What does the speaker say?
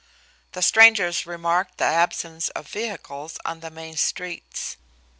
The strangers remarked the absence of vehicles on the main streets.